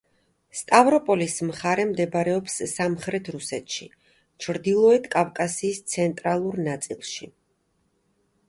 სტავროპოლის მხარე მდებარეობს სამხრეთ რუსეთში ჩრდილოეთ კავკასიის ცენტრალურ ნაწილში.